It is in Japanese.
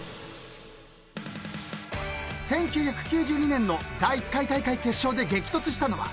［１９９２年の第１回大会決勝で激突したのは］